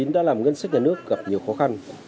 đã làm ngân sách nhà nước gặp nhiều khó khăn